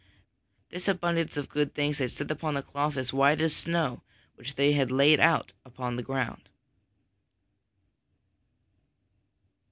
This abundance of good things they set upon a cloth as white as snow which they had laid out upon the ground.